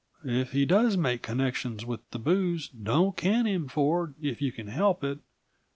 "If he does make connections with the booze, don't can him, Ford, if you can help it.